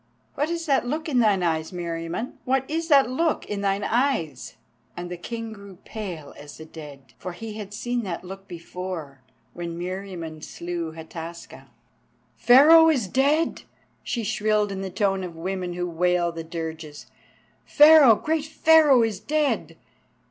"What is that look in thine eyes, Meriamun, what is that look in thine eyes?" And the King grew pale as the dead, for he had seen that look before—when Meriamun slew Hataska. "Pharaoh is dead!" she shrilled in the tone of women who wail the dirges. "Pharaoh, great Pharaoh is dead!